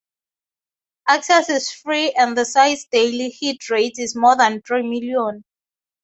Access is free and the site's daily hit rate is more than three million.